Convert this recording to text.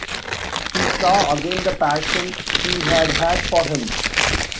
He saw again the passion she had had for him.